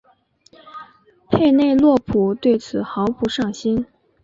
佩内洛普对此毫不上心。